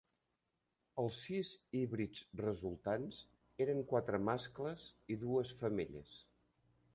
Els sis híbrids resultants eren quatre mascles i dues femelles.